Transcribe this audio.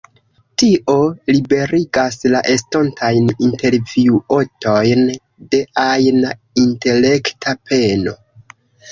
Tio liberigas la estontajn intervjuotojn de ajna intelekta peno.